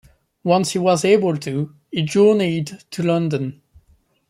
Once he was able to, he journeyed to London.